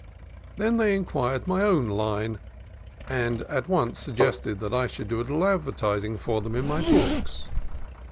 Then they inquired my own "line," and at once suggested that I should do a little advertising for them in my books.